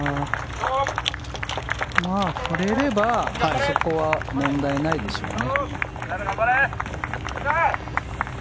振れればあそこは問題ないでしょうね。